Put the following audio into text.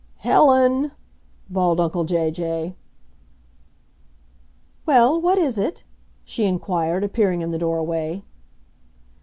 "Helen!" bawled uncle Jay Jay. "Well, what is it?" she inquired, appearing in the doorway.